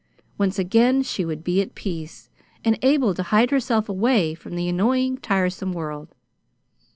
Once again she would be at peace, and able to hide herself away from the annoying, tiresome world.